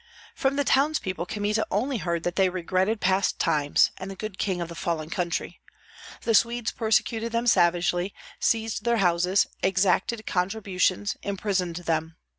From the townspeople Kmita only heard that they regretted past times, and the good king of the fallen country. The Swedes persecuted them savagely, seized their houses, exacted contributions, imprisoned them.